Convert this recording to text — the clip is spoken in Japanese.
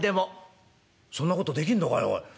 「そんなことできんのかいおい。